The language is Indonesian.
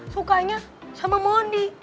sukanya sama mondi